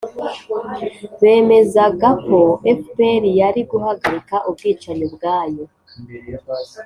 bemezagako fpr yari guhagarika ubwicanyi ubwayo,